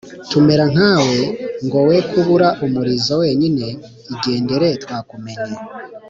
tumera nkawe, ngo we kubura umurizo wenyine. Igendere twakumenye.”